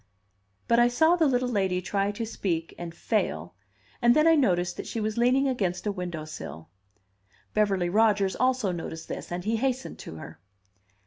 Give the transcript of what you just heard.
But I saw the little lady try to speak and fail, and then I noticed that she was leaning against a window sill. Beverly Rodgers also noticed this, and he hastened to her.